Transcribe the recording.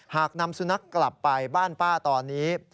หากนำสุนัขกลับไปบ้านป้าตอนนี้